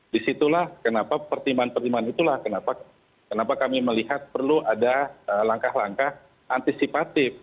disitulah kenapa pertimbangan pertimbangan itulah kenapa kami melihat perlu ada langkah langkah antisipatif